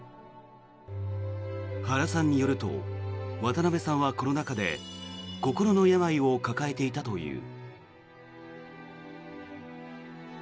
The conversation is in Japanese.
原さんによると、渡辺さんはコロナ禍で心の病を抱えていたという。